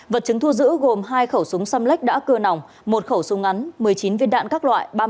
vật chứng thu giữ gồm hai khẩu súng xăm lách đã cưa nòng một khẩu súng ngắn một mươi chín viên đạn các loại